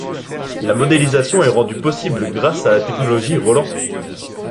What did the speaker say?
La modélisation est rendue possible grâce à la technologie Roland.